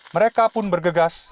mereka pun bergegas